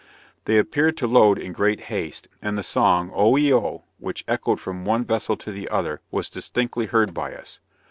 They appeared to load in great haste; and the song, "O he oh," which echoed from one vessel to the other, was distinctly heard by us.